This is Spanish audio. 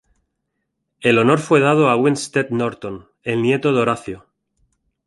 El honor fue dado a Winstead Norton, el nieto de Horacio.